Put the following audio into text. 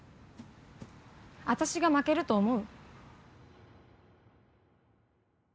私が負けると思う？